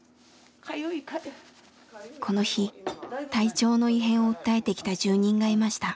この日体調の異変を訴えてきた住人がいました。